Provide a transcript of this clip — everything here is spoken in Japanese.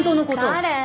・誰？